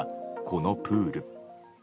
このプール。